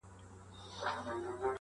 خوله یې خلاصه دواړي سترګي یې ژړاندي؛